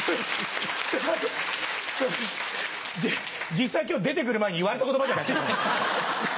実際今日出て来る前に言われた言葉じゃないですか。